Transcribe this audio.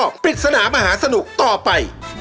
ฟันนดิวปิตรสุนัทมหาสนุกต่อไป